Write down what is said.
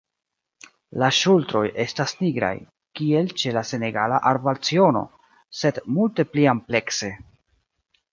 La ŝultroj estas nigraj, kiel ĉe la Senegala arbalciono, sed multe pli amplekse.